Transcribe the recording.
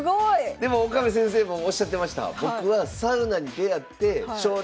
でも岡部先生もおっしゃってました。